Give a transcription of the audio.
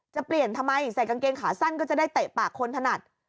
จะเปลี่ยนทำไมใส่กางเกงขาสั้นก็จะได้เตะปากคนถนัด